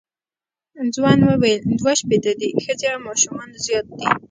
ځوان وویل دوه شپېته دي ښځې او ماشومان زیات دي.